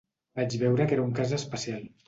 Vaig veure que era un cas especial.